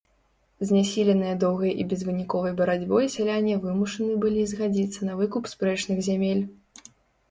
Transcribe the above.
Знясіленыя доўгай і безвыніковай барацьбой сяляне вымушаны былі згадзіцца на выкуп спрэчных зямель.